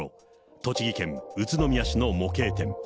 栃木県宇都宮市の模型店。